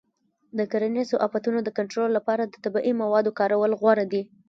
د کرنیزو آفتونو د کنټرول لپاره د طبیعي موادو کارول غوره دي.